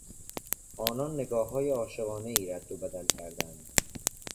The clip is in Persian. آنان نگاههای عاشقانهای رد و بدل کردند.